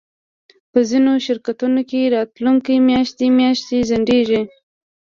په ځینو شرکتونو کې راتلونکی میاشتې میاشتې ځنډیږي